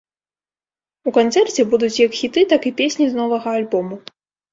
У канцэрце будуць як хіты, так і песні з новага альбому.